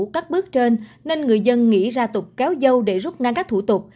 các bước trên nên người dân nghĩ ra tụng kéo dâu để rút ngang các thủ tục